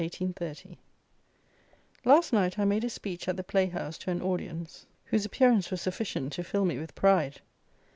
_ Last night, I made a speech at the playhouse to an audience, whose appearance was sufficient to fill me with pride.